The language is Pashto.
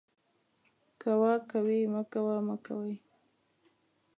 کوه ، کوئ ، مکوه ، مکوئ